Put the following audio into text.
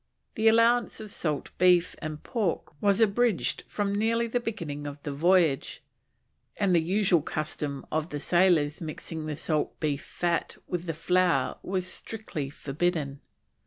The allowance of Salt Beef and Pork was abridged from nearly the beginning of the voyage, and the usual custom of the sailors mixing the Salt Beef fat with the flour was strictly forbidden.